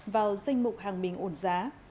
vào danh mục hàng mình ổn giá